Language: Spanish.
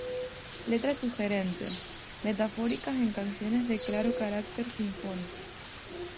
Letras sugerentes, metafóricas en canciones de claro carácter sinfónico.